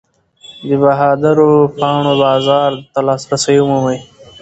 د بهادرو پاڼو بازار ته لاسرسی ومومئ.